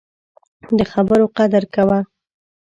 د خبرو قدر کوه